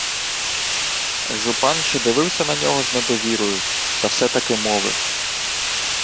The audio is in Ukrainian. Жупан ще дивився на нього з недовірою, та все-таки мовив: